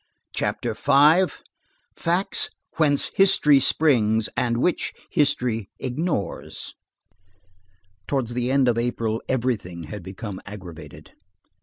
CHAPTER V—FACTS WHENCE HISTORY SPRINGS AND WHICH HISTORY IGNORES Towards the end of April, everything had become aggravated.